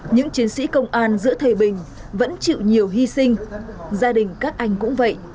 những chiến sĩ công an giữa thầy bình vẫn chịu nhiều hy sinh gia đình các anh cũng vậy